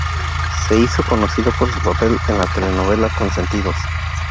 Se hizo conocida por su papel en la telenovela "Consentidos".